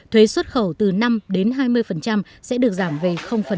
thuế xuất khẩu từ năm đến hai mươi sẽ được giảm về